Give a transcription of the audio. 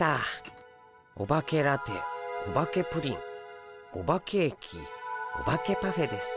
オバケラテオバケプリンオバケーキオバケパフェです。